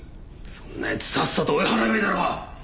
そんなやつさっさと追い払えばいいだろう！